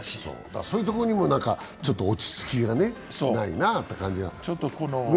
そういうところにもちょっと落ち着きがないなという感じが。